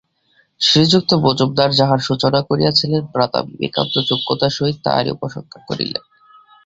শ্রীযুক্ত মজুমদার যাহার সূচনা করিয়া- ছিলেন, ভ্রাতা বিবেকানন্দ যোগ্যতার সহিত তাহারই উপসংহার করিলেন।